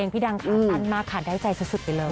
พี่ดังขาสั้นมากค่ะได้ใจสุดไปเลย